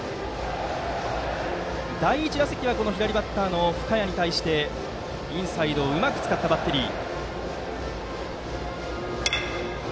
第１打席は左バッターの深谷に対してインサイドをうまく使ったバッテリー。